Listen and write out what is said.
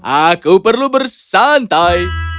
aku perlu bersantai